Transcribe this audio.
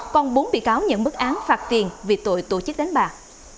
còn bốn bị cáo nhận bức án phạt tiền vì tội tổ chức đánh bạc